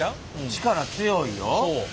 力強いよ。